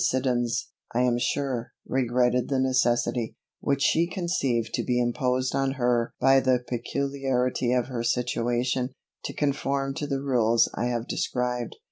Siddons, I am sure, regretted the necessity, which she conceived to be imposed on her by the peculiarity of her situation, to conform to the rules I have described.